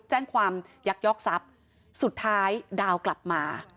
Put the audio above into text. แจ้งความยักยอกทรัพย์สุดท้ายดาวกลับมา